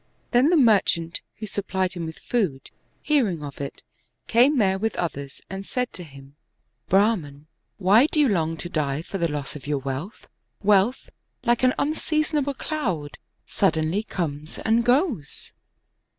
Then the merchant, who supplied him with food, hearing of it, came there with others, and said to him, " Brahman, why do you long to die for the loss of your wealth? Wealth, like an unseasonable cloud, suddenly comes and goes."